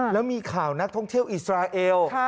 แล้วมีข่าวนักท่องเที่ยวอิสราเอล